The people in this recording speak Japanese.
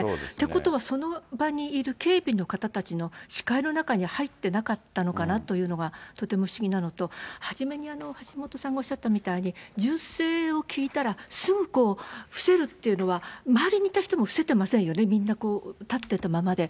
ことは、その場にいる警備の方たちの視界の中に入ってなかったのかなというのが、とても不思議なのと、初めに橋下さんがおっしゃったみたいに銃声を聞いたら、すぐこう、伏せるっていうのは、周りにいた人も伏せてませんよね、みんなこう、立ってたままで。